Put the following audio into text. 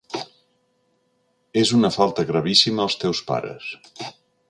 És una falta gravíssima als teus pares.